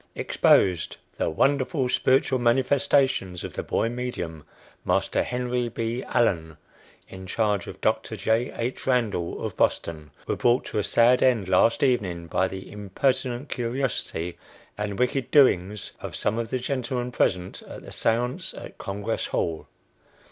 "EXPOSED. The 'wonderful' spiritual manifestations of the 'boy medium,' Master Henry B. Allen, in charge of Doctor J. H. Randall, of Boston, were brought to a sad end last evening by the impertinent curiosity and wicked doings of some of the gentlemen present at the seance at Congress Hall.